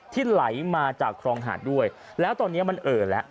ไหลมาจากครองหาดด้วยแล้วตอนนี้มันเอ่อแล้ว